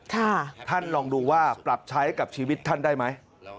ท่านลองดูว่าปรับใช้กับชีวิตท่านได้ไหม